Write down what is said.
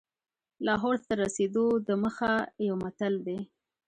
لاهور ته تر رسېدلو دمخه یو متل دی.